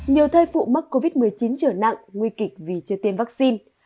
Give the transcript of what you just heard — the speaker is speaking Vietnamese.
nhiều thay phụ mắc covid một mươi chín trở nặng nguy kịch vì chưa tiến vaccine